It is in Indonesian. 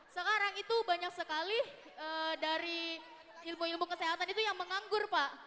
sekarang itu banyak sekali dari ilmu ilmu kesehatan itu yang menganggur pak